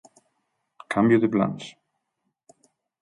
Cambio de plans.